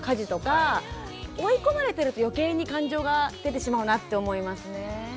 追い込まれてると余計に感情が出てしまうなって思いますね。